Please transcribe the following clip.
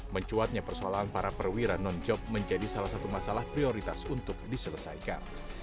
mencuatnya persoalan para perwira non job menjadi salah satu masalah prioritas untuk diselesaikan